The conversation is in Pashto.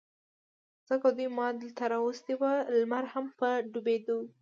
ځکه دوی ما دلته را وستي و، لمر هم په ډوبېدو و.